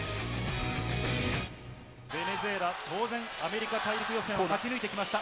ベネズエラ、当然、アメリカ大陸予選を勝ち抜いてきました。